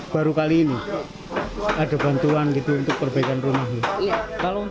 baru kali ini ada bantuan gitu untuk perbaikan rumahnya